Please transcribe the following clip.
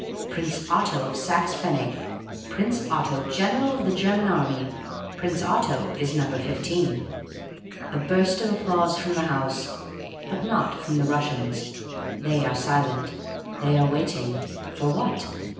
"Prince Otto of Saxe Pfennig. Prince Otto, General of the German Army. Prince Otto is Number 15. "A burst of applause from the house. But not from the Russians. They are silent. They are waiting. For what?